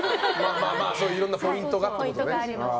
いろんなポイントがってことね。